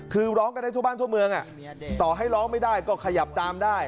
คือร้องกันได้ทั่วบ้านทั่วเมืองต่อให้ร้องไม่ได้ก็ขยับตามได้